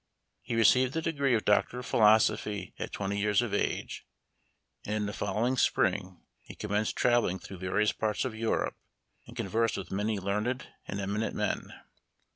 He received the degree of Doctor of Philosophy at twenty years of age, and in the following spring he com menced traveling through various parts of Europe, and con versed with many learned and eminent men.